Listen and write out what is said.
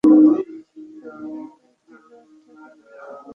আমরা ওই তলোয়ারটাকে ধ্বংস করলেই ও মারা পড়বে।